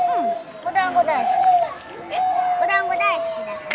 おだんご大好きだから！